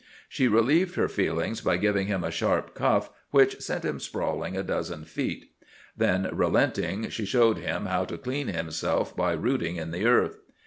She relieved her feelings by giving him a sharp cuff which sent him sprawling a dozen feet. Then, relenting, she showed him how to clean himself by rooting in the earth.